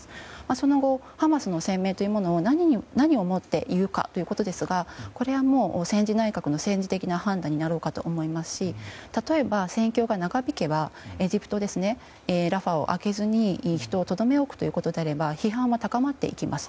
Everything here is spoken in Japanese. その後、ハマスの声明を何をもって言うかですがこれは、戦時内閣の政治的な判断になるかと思いますし例えば戦況が長引けばエジプト、ラファを開けずに人を留め置くということなら批判は高まっていきます。